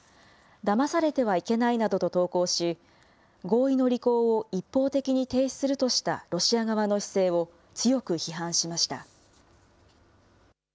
だまされてはいけないなどと投稿し、合意の履行を一方的に停止するとしたロシア側の姿勢を強く批判しました。